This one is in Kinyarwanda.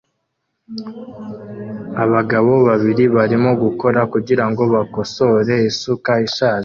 Abagabo babiri barimo gukora kugirango bakosore isuka ishaje